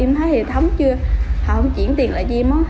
em thấy hệ thống chưa họ không chuyển tiền lại cho em đó